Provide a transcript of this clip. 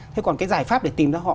thế còn cái giải pháp để tìm ra họ